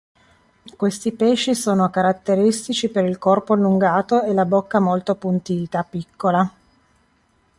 Questi pesci sono caratteristici per il corpo allungato e la bocca molto appuntita, piccola.